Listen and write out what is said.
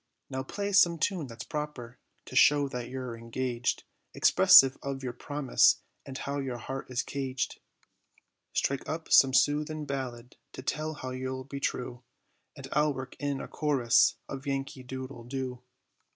Now play some tune, that's proper, to show that you're engaged, Expressive of your promise, and how your heart is caged; Strike up some soothin ballad, to tell how you'll be true, And I'll work in a chorus, of Yankee doodle do."